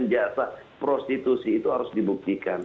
hubungan dengan jasa prostitusi itu harus dibuktikan